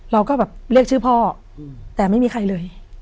เราก็แบบเรียกชื่อพ่อแต่ไม่มีใครเลย